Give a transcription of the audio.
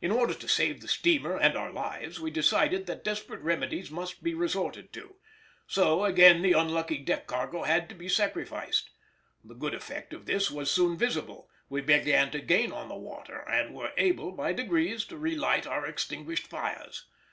In order to save the steamer and our lives we decided that desperate remedies must be resorted to, so again the unlucky deck cargo had to be sacrificed. The good effect of this was soon visible; we began to gain on the water, and were able, by degrees, to relight our extinguished fires.